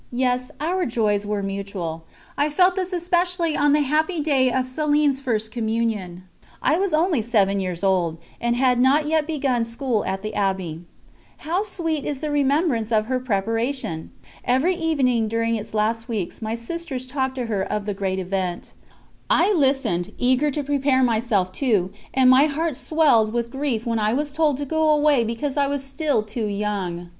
Yes, our joys were mutual. I felt this especially on the happy day of Céline's First Communion; I was only seven years old, and had not yet begun school at the Abbey. How sweet is the remembrance of her preparation! Every evening during its last weeks my sisters talked to her of the great event. I listened, eager to prepare myself too, and my heart swelled with grief when I was told to go away because I was still too young.